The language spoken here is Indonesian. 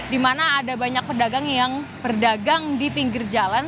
di mana ada banyak pedagang yang berdagang di pinggir jalan